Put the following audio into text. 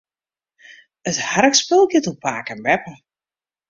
It harkspul giet oer pake en beppe.